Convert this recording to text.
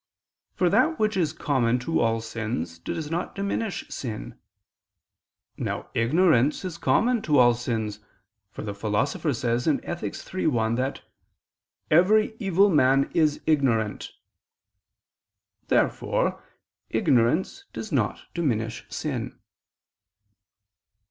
For that which is common to all sins does not diminish sin. Now ignorance is common to all sins, for the Philosopher says (Ethic. iii, 1) that "every evil man is ignorant." Therefore ignorance does not diminish sin.